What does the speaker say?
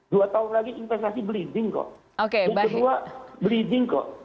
dua tahun lagi investasi bleeding kok